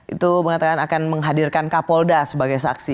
itu mengatakan akan menghadirkan kapolda sebagai saksi